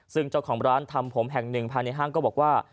ซึ่งเจ้าของร้านทำผมแห่งหนึ่งภายในห้างก็บอกว่า